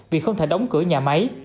vì không thể đóng cửa nhà máy